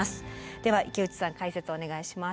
では池内さん解説お願いします。